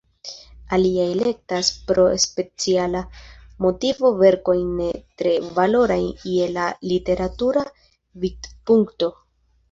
Aliaj elektas pro speciala motivo verkojn ne tre valorajn je la literatura vidpunkto.